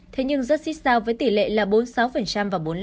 thế nhưng rất xích sao với tỷ lệ là bốn mươi sáu và bốn mươi năm